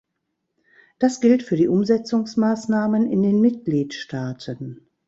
Das gilt für die Umsetzungsmaßnahmen in den Mitgliedstaaten.